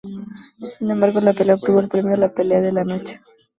Sin embargo, la pelea obtuvo el premio a la "Pelea de la Noche".